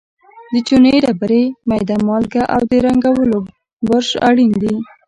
د چونې ډبرې، میده مالګه او د رنګولو برش اړین دي.